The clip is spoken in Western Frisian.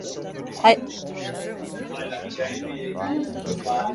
Ha jo neat oars?